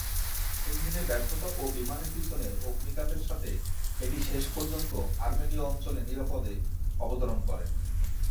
ইঞ্জিনের ব্যর্থতা ও বিমানের পিছনে অগ্নিকাণ্ডের সাথে এটি শেষ পর্যন্ত আর্মেনিয় অঞ্চলে নিরাপদে অবতরণ করে।